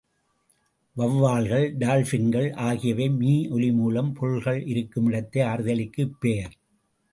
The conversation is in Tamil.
வெளவால்கள், டால்பின்கள் ஆகியவை மீஒலி மூலம் பொருள்கள் இருக்குமிடத்தை அறிதலுக்கு இப்பெயர்.